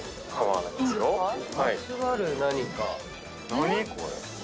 何これ？